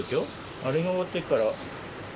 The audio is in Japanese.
あれが終わってから。